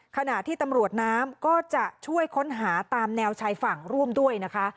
ขณะที่ตำรวจน้ำก็จะช่วยค้นหาตามแนวชายฝั่งร่วมด้วยนะคะ